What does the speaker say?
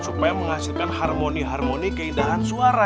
supaya menghasilkan harmoni harmoni keindahan suara